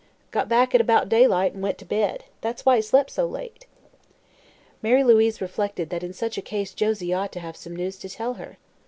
"Got back at about daylight and went to bed. That's why he slep' so late." Mary Louise reflected that in such a case Josie ought to have some news to tell her.